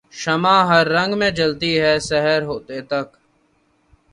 شمع ہر رنگ میں جلتی ہے سحر ہوتے تک